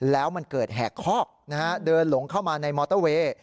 แล้วมันเกิดแหกคอกนะฮะเดินหลงเข้ามาในมอเตอร์เวย์